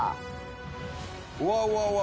うわうわうわ！